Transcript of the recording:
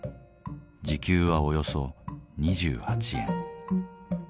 時給はおよそ２８円。